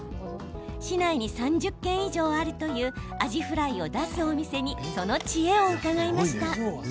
市内に３０軒以上あるというアジフライを出すお店にその知恵を伺いました。